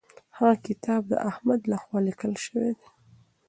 هغه کتاب د احمد لخوا لیکل سوی دی.